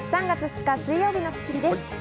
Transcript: ３月２日、水曜日の『スッキリ』です。